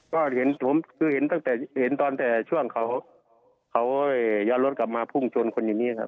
ก็เห็นผมคือเห็นตั้งแต่เห็นตอนแต่ช่วงเขาย้อนรถกลับมาพุ่งชนคนอย่างนี้ครับ